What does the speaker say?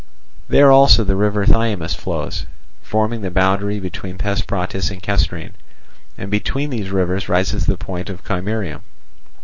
There also the river Thyamis flows, forming the boundary between Thesprotis and Kestrine; and between these rivers rises the point of Chimerium.